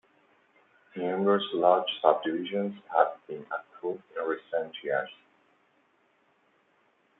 Numerous large subdivisions have been approved in recent years.